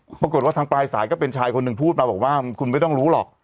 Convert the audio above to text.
ปรากฏว่าทางปลายสายก็เป็นชายคนหนึ่งพูดมาบอกว่าคุณไม่ต้องรู้หรอก